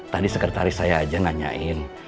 tadi sekretaris saya aja nanyain